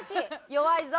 弱いぞ！